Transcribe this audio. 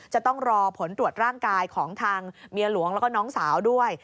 จะต้องรอผลตรวจร่างกายของทางเมียหลวงแล้วก็น้องสาวด้วย